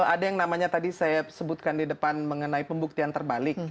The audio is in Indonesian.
ada yang namanya tadi saya sebutkan di depan mengenai pembuktian terbalik